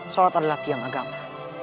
sholat adalah tiang agama